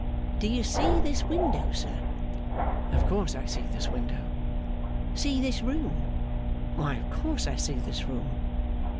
Do you see this window, sir?' 'Of course I see this window.' 'See this room?' 'Why, of course I see this room.